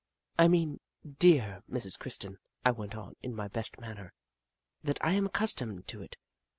" I mean, dear Mrs. Kirsten," I went on, in my best manner, '* that I am accustomed to it.